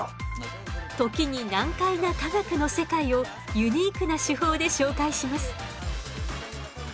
時に難解な科学の世界をユニークな手法で紹介します。